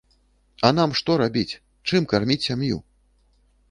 А нам што рабіць, чым карміць сям'ю?